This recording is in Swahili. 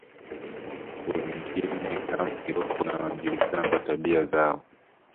Wengine kama Kiboko na walijulikana kwa tabia zao